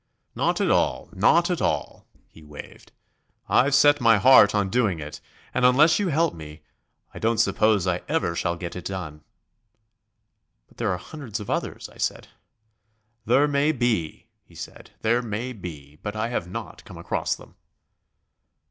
"Not at all, not at all," he waived. "I've set my heart on doing it and, unless you help me, I don't suppose I ever shall get it done." "But there are hundreds of others," I said. "There may be," he said, "there may be. But I have not come across them."